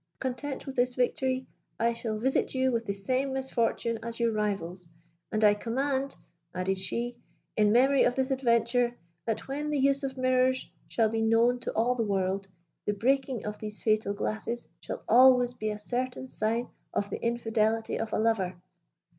Content with this victory, I shall visit you with the same misfortune as your rivals; and I command,' added she, 'in memory of this adventure, that when the use of mirrors shall be known to all the world, the breaking of these fatal glasses shall always be a certain sign of the infidelity of a lover.'